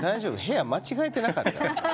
部屋間違えてなかった？